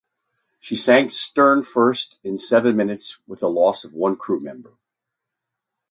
She sank stern first in seven minutes with the loss of one crew member.